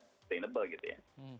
sustainable gitu ya